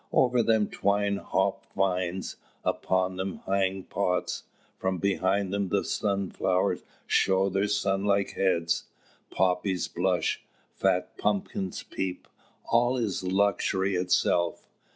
Over them twine hop vines, upon them hang pots; from behind them the sunflowers show their sun like heads, poppies blush, fat pumpkins peep; all is luxury itself!